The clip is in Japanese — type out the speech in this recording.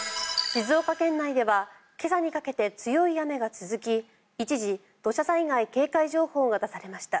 静岡県内では今朝にかけて強い雨が続き一時、土砂災害警戒情報が出されました。